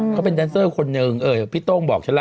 เขาเป็นแดนเซอร์คนหนึ่งพี่โต้งบอกฉันล่ะ